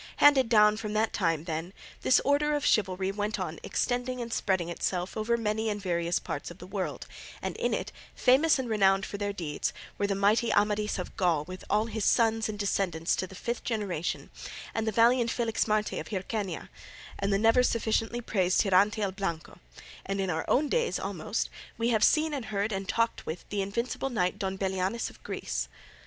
Handed down from that time, then, this order of chivalry went on extending and spreading itself over many and various parts of the world; and in it, famous and renowned for their deeds, were the mighty Amadis of Gaul with all his sons and descendants to the fifth generation, and the valiant Felixmarte of Hircania, and the never sufficiently praised Tirante el Blanco, and in our own days almost we have seen and heard and talked with the invincible knight Don Belianis of Greece.